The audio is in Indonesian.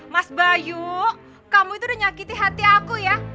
mas bayu kamu itu udah nyakiti hati aku ya